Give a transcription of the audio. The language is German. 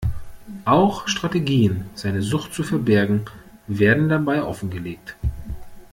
Auch Strategien, seine Sucht zu verbergen, werden dabei offengelegt.